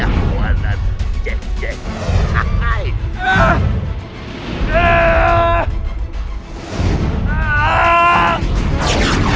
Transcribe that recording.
api yang maksetambah